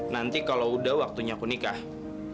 nanti kalau sudah waktunya aku nikah pabya zoo